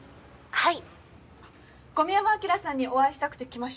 はい。